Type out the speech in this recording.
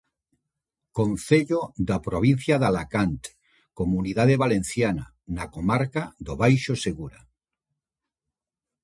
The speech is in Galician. Concello da provincia de Alacant, Comunidade Valenciana, na comarca do Baixo Segura.